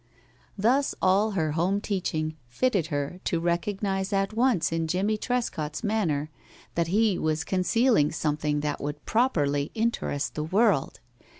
Thus all her home teaching fitted her to recognize at once in Jimmie Trescott's manner that he was concealing something that would properly interest the world.